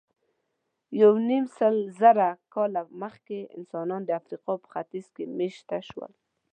یونیمسلزره کاله مخکې انسانان د افریقا په ختیځ کې مېشته شول.